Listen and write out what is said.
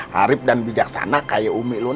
harib dan bijaksana kayak umi lo